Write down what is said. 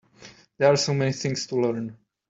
There are so many things to learn.